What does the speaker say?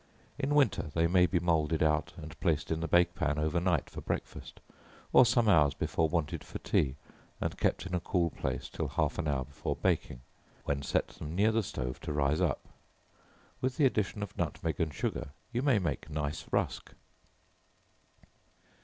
In winter they may be moulded out and placed in the bake pan over night for breakfast, or some hours before wanted for tea, and kept in a cool place till half an hour before baking, when set them near the stove to rise up. With the addition of nutmeg and sugar, you may make nice rusk.